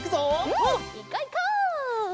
うんいこういこう！